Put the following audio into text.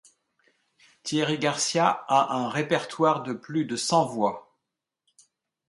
Thierry Garcia a un répertoire de plus de cent voix.